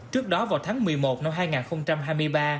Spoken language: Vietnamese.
trước đó vào tháng một mươi một năm hai nghìn hai mươi ba